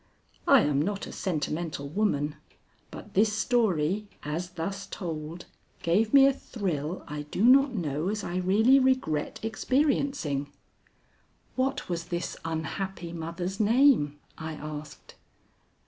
I am not a sentimental woman, but this story as thus told gave me a thrill I do not know as I really regret experiencing. "What was this unhappy mother's name?" I asked.